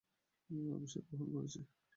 আমি সেটা গ্রহণ করেছি।